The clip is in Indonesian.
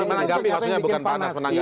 menanggapi maksudnya bukan panas menanggapi